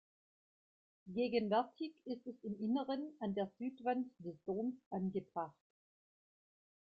Gegenwärtig ist es im Inneren an der Südwand des Doms angebracht.